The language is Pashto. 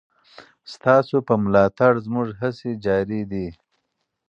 ستاسو په ملاتړ زموږ هڅې جاري دي.